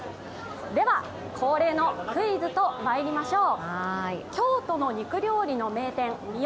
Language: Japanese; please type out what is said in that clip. では、恒例のクイズとまいりましょう。